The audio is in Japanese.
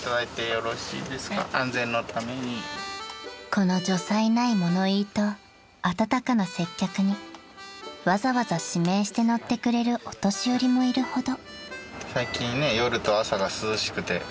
［この如才ない物言いと温かな接客にわざわざ指名して乗ってくれるお年寄りもいるほど］